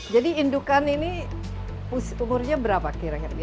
jadi indukan ini umurnya berapa kira kira biasanya